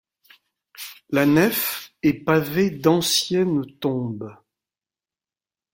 La nef, est pavée d'anciennes tombes.